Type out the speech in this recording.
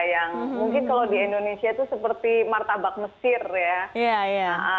yang mungkin kalau di indonesia itu seperti martabak mesir ya